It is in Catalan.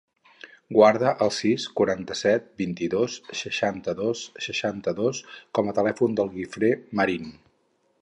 Guarda el sis, quaranta-set, vint-i-dos, seixanta-dos, seixanta-dos com a telèfon del Guifré Marin.